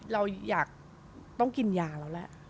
เราอยากต้องกินยาแล้วแหละ